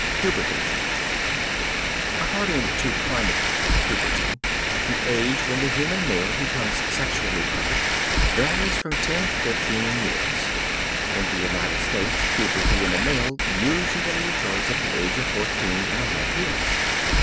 PUBERTY According to climate puberty, the age when the human male becomes sexually perfect, varies from ten to fifteen years. In the United States puberty in the male usually occurs at the age of fourteen and a half years.